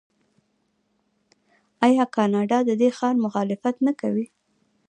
آیا کاناډا د دې کار مخالفت نه کوي؟